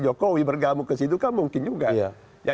jokowi bergabung ke situ kan mungkin juga